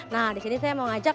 nah di sini saya mau ngajak